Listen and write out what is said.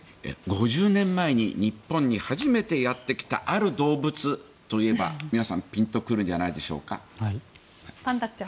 ５０年前に日本にやってきたある動物といえば皆さん、ピンと来るんじゃないでしょうか。